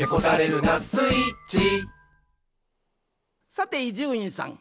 さて伊集院さん。